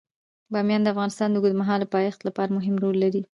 بامیان د افغانستان د اوږدمهاله پایښت لپاره مهم رول لري.